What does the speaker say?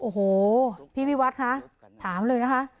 โอ้โหพี่วิวัฒน์คะถามเลยนะคะ